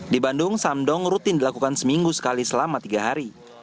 di bandung samdong rutin dilakukan seminggu sekali selama tiga hari